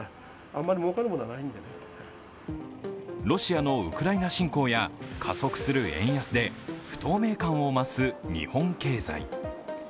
ロシアのウクライナ侵攻や加速する円安で不透明感を増す日本経済。